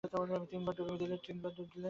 তিনবার ডুব দিলে।